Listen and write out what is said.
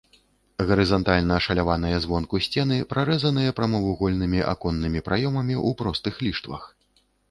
Гарызантальна ашаляваныя звонку сцены прарэзаныя прамавугольнымі аконнымі праёмамі ў простых ліштвах.